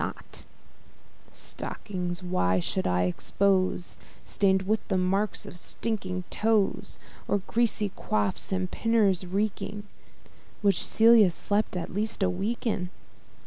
The stockings why should I expose, Stain'd with the moisture of her toes, Or greasy coifs, and pinners reeking, Which Celia slept at least a week in?